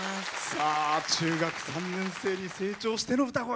中学３年生に成長しての歌声。